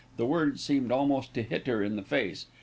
The words seemed almost to hit her in the face.